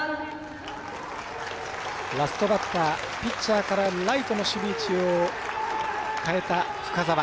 ラストバッターピッチャーからライトの守備位置を代えた深沢。